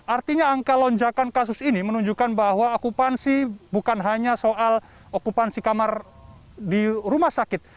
artinya angka lonjakan kasus ini menunjukkan bahwa okupansi bukan hanya soal okupansi kamar di rumah sakit